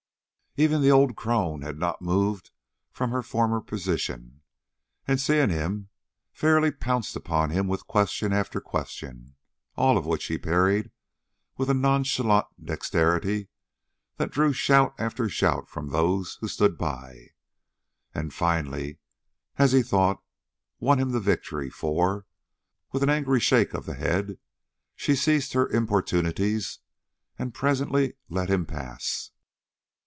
Even the old crone had not moved from her former position, and seeing him, fairly pounced upon him with question after question, all of which he parried with a nonchalant dexterity that drew shout after shout from those who stood by, and, finally, as he thought, won him the victory, for, with an angry shake of the head, she ceased her importunities, and presently let him pass.